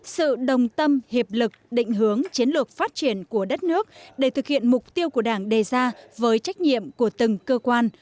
sự đồng tâm hiệp lực định hướng chiến lược phát triển của đất nước để thực hiện mục tiêu của đảng đề ra với trách nhiệm của từng cơ quan